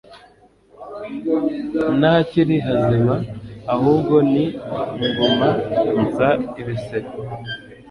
nta hakiri hazima: ahubwo ni inguma nsa, ibisebe